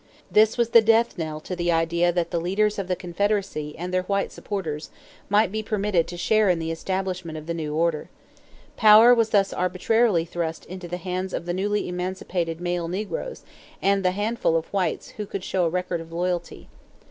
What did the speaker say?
This was the death knell to the idea that the leaders of the Confederacy and their white supporters might be permitted to share in the establishment of the new order. Power was thus arbitrarily thrust into the hands of the newly emancipated male negroes and the handful of whites who could show a record of loyalty.